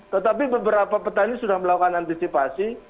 tetapi beberapa petani sudah melakukan antisipasi